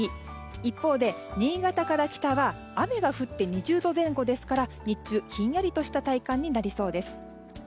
一方で、新潟から北は雨が降って２０度前後ですから日中ひんやりとした体感になりそうです。